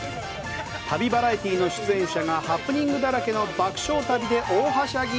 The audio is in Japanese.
旅バラエティーの出演者がハプニングだらけの爆笑旅で大はしゃぎ！